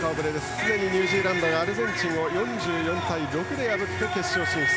すでにニュージーランドがアルゼンチンを破って決勝進出。